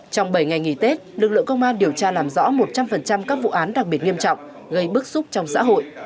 trong bảy ngày nghỉ tết lực lượng công an điều tra làm rõ một trăm linh các vụ án đặc biệt nghiêm trọng gây bức xúc trong xã hội